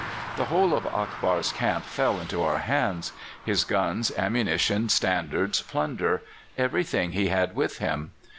The whole of Akbar's camp fell into our hands. His guns, ammunition, standards, plunder everything he had with him.